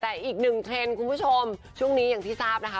แต่อีกหนึ่งเทรนด์คุณผู้ชมช่วงนี้อย่างที่ทราบนะคะ